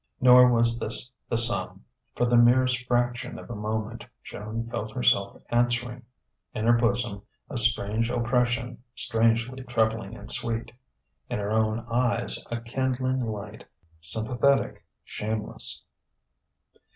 Nor was this the sum: for the merest fraction of a moment Joan felt herself answering: in her bosom a strange oppression, strangely troubling and sweet; in her own eyes a kindling light, sympathetic, shameless....